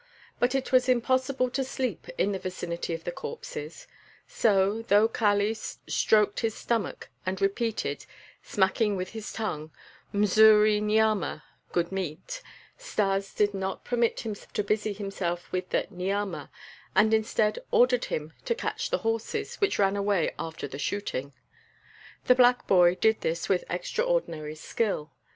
But it was impossible to sleep in the vicinity of the corpses; so, though Kali stroked his stomach and repeated, smacking with his tongue, "Msuri niama" (good meat), Stas did not permit him to busy himself with the "niama," and instead ordered him to catch the horses, which ran away after the shooting. The black boy did this with extraordinary skill.